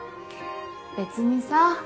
別にさ